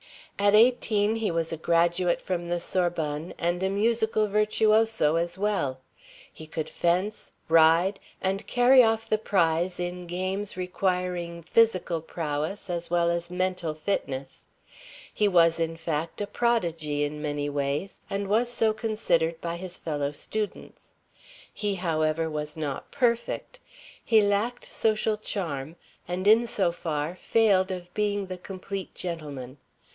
At eighteen he was a graduate from the Sorbonne, and a musical virtuoso as well. He could fence, ride, and carry off the prize in games requiring physical prowess as well as mental fitness. He was, in fact, a prodigy in many ways, and was so considered by his fellow students. He, however, was not perfect; he lacked social charm, and in so far failed of being the complete gentleman.